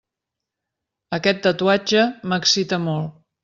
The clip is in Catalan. Aquest tatuatge m'excita molt.